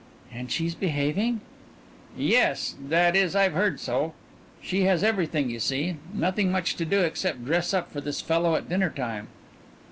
"And she's behaving?" "Yes that is, I've heard so. She has everything, you see. Nothing much to do except dress up for this fellow at dinner time."